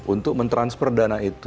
untuk men transfer dana itu